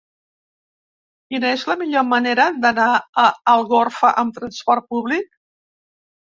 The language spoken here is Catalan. Quina és la millor manera d'anar a Algorfa amb transport públic?